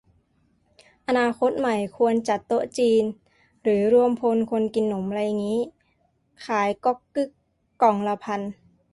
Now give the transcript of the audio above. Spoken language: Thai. อนาคตใหม่ควรจัดโต๊ะจีน หรือรวมพลคนกินหนมไรงี้ ขายก็อกกึ้กล่องละพัน